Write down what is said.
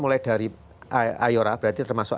mulai dari ayora berarti termasuk